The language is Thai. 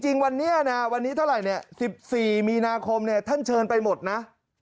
จริงวันนี้เท่าไหร่๑๔มีนาคมท่านเชิญไปหมดนะ